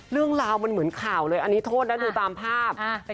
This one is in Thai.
เรื่องราวมันเหมือนข่าวเลยอันนี้โทษนะดูตามภาพ